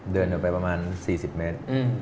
เดินออกไปประมาณ๔๐เมตร